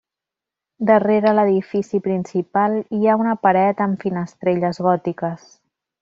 Darrere l'edifici principal hi ha una paret amb finestrelles gòtiques.